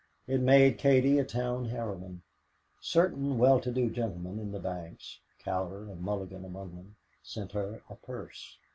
It made Katie a town heroine. Certain well to do gentlemen in the banks, Cowder and Mulligan among them, sent her a purse.